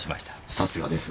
さすがです。